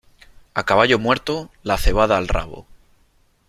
A caballo muerto, la cebada al rabo.